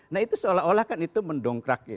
nah itu seolah olah kan itu mendongkrak ya